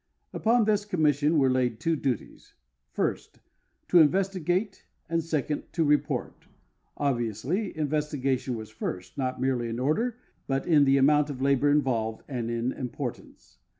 Upon this commission were laid two duties : first, to investigate, and second, to report. Obviously investigation was first, not merely in order, but in the amount of labor involved and in im portance.